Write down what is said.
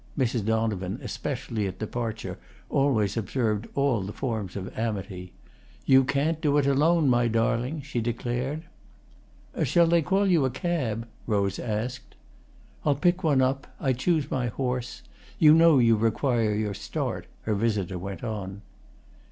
Mrs. Donovan, especially at departure, always observed all the forms of amity. "You can't do it alone, my darling," she declared. "Shall they call you a cab?" Rose asked. "I'll pick one up. I choose my horse. You know you require your start," her visitor went on.